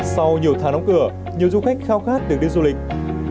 sau nhiều tháng đóng cửa nhiều du khách khao khát được đi du lịch